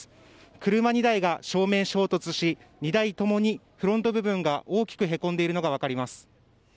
車２台が正面衝突し、２台ともにフロント部分が大きくへこんでいるのが分かります。